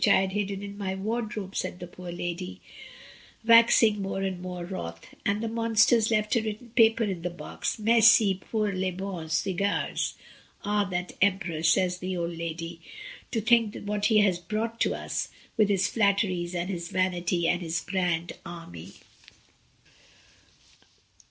1 67 I had hidden in my wardrobe," said the poor lady, waxing more and more wrath; "and the monsters left a written paper in the box, ^Merci pour les bons cigar es!^ Ah! that emperor," says the old lady, "to think what he has brought us to, with his flatteries, and his vanity, and his grand army."